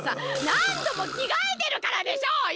なんどもきがえてるからでしょうよ！